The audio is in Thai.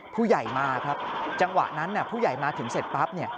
ผู้ใหญ่มาครับจังหวะนั้นผู้ใหญ่มาถึงเสร็จปั๊บเนี่ย